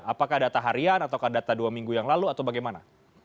apakah data harian atau data dua minggu yang lalu atau bagaimana